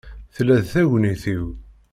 Tella d tagnit-iw..